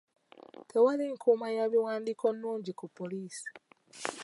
Tewali nkuuma ya biwandiiko nnungi ku poliisi.